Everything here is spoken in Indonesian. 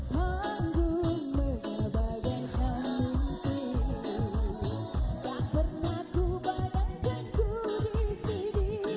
panggung berabadang saling tinggi tak pernah ku badankan ku disini